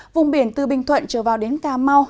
vùng biển từ bình thuận trở vào đến cà mau